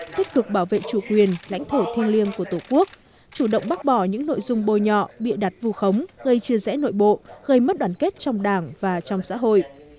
thích cực bảo vệ chủ quyền lãnh thổ thiên liêng của tổ quốc chủ động bác bỏ những nội dung bồi nhọ bị đặt vù khống gây chia rẽ nội bộ gây mất đoàn kết trong đảng và trong xã hội